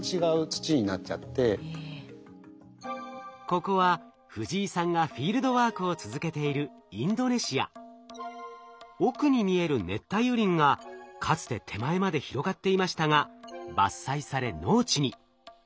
ここは藤井さんがフィールドワークを続けている奥に見える熱帯雨林がかつて手前まで広がっていましたが伐採され農地に。